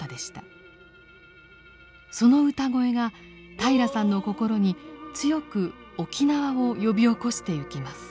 その歌声が平良さんの心に強く沖縄を呼び起こしてゆきます。